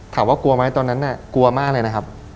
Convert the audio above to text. ถามว่ากลัวไหมตอนนั้นกลัวมากเลยนะครับ